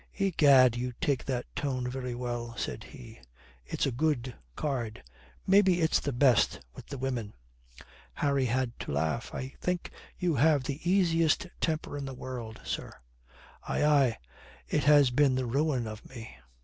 "Egad, you take that tone very well," said he. "It's a good card. Maybe it's the best with the women." Harry had to laugh. "I think you have the easiest temper in the world, sir." "Aye, aye. It has been the ruin of me."